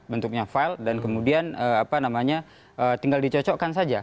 bentuknya file dan kemudian apa namanya tinggal dicocokkan saja